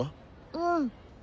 うん。